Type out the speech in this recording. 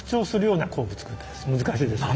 難しいですけど。